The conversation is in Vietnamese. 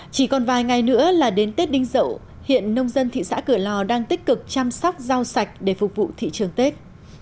chỉ còn vài ngày nữa là đến tết đinh dậu hiện nông dân thị xã cửa lò đang tích cực chăm sóc rau sạch để phục vụ thị trường tết